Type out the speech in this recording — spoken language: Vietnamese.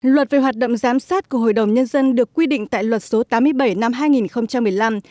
luật về hoạt động giám sát của hội đồng nhân dân được quy định tại luật số tám mươi bảy năm hai nghìn một mươi năm